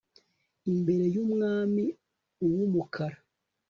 Imbere yUmwami uwumukara